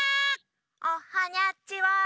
おはにゃちは！